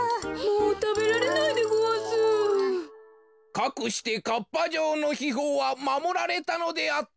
かくしてかっぱ城のひほうはまもられたのであった。